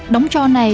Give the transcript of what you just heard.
đóng trò này